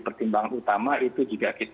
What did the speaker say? pertimbangan utama itu juga